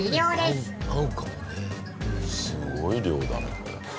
すごい量だねこれ。